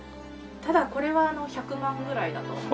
ただこれは１００万ぐらいだと。